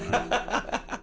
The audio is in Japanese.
ハハハハハ！